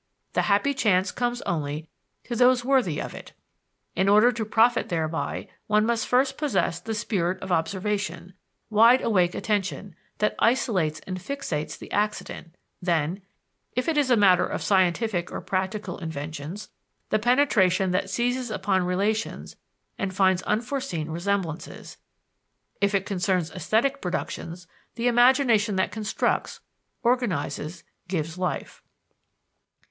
The happy chance comes only to those worthy of it. In order to profit thereby, one must first possess the spirit of observation, wide awake attention, that isolates and fixates the accident; then, if it is a matter of scientific or practical inventions, the penetration that seizes upon relations and finds unforeseen resemblances; if it concerns esthetic productions, the imagination that constructs, organizes, gives life.